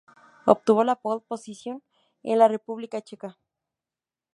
Obtuvo la pole position en la República Checa.